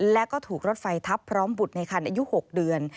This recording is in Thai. และก็ถูกรถไฟทับพร้อมบุตรในคันอายุ๖เดือน